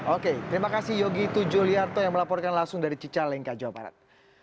oke terima kasih yogi tujuliarto yang melaporkan langsung dari cicalengka jawa barat